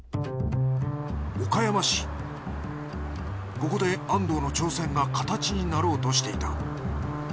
ここで安藤の挑戦が形になろうとしていた。